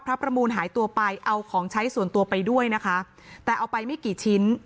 ประมูลหายตัวไปเอาของใช้ส่วนตัวไปด้วยนะคะแต่เอาไปไม่กี่ชิ้น